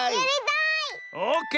オーケー！